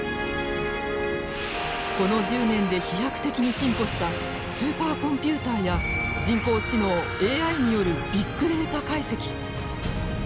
この１０年で飛躍的に進歩したスーパーコンピューターや人工知能ＡＩによるビッグデータ解析。